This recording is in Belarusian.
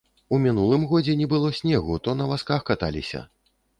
У мінулым годзе не было снегу, то на вазках каталіся.